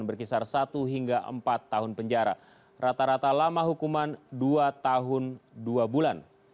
berkisar satu hingga empat tahun penjara rata rata lama hukuman dua tahun dua bulan